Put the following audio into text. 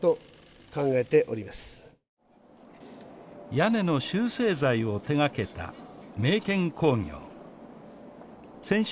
屋根の集成材を手がけた銘建工業選手